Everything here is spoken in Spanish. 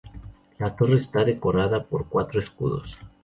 La torre está decorada por cuatro escudos.